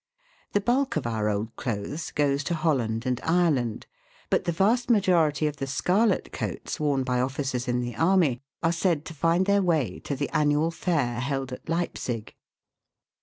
The bulk of our old clothes goes to Holland and Ireland, but the vast majority of the scarlet coats worn by officers in the army are said to find their way to the annual fair held at Leipzig.